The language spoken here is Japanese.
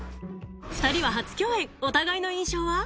２人は初共演お互いの印象は？